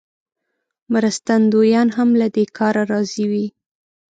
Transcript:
مرستندویان هم له دې کاره راضي وي.